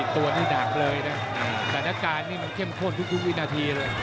แต่สถานการณ์เข้มข้นครู่ทุกวินาทีเลย